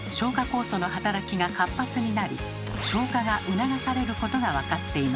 酵素の働きが活発になり消化が促されることが分かっています。